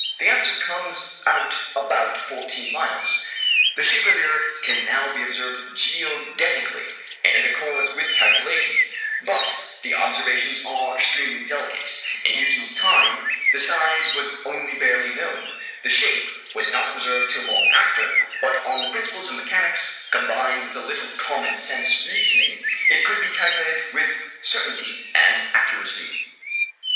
The answer comes out about fourteen miles. The shape of the earth can now be observed geodetically, and it accords with calculation, but the observations are extremely delicate; in Newton's time the size was only barely known, the shape was not observed till long after; but on the principles of mechanics, combined with a little common sense reasoning, it could be calculated with certainty and accuracy.